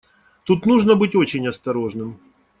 Тут нужно быть очень осторожным.